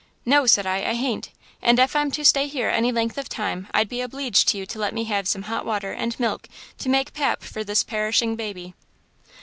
"'No,' said I, 'I hain't; and ef I'm to stay here any length of time I'd be obleeged to you to let me have some hot water and milk to make pap for this perishing baby.'